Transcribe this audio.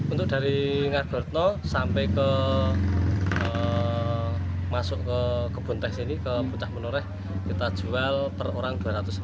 untuk dari ngargoretno sampai ke puncak menoreh kita jual per orang dua ratus lima puluh